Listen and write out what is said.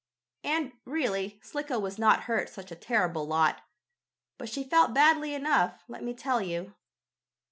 And, really, Slicko was not hurt such a terrible lot. But she felt badly enough, let me tell you.